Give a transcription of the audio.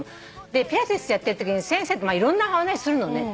ピラティスやってるときに先生といろんな話するのね。